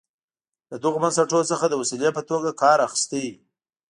له دغو بنسټونو څخه د وسیلې په توګه کار اخیست.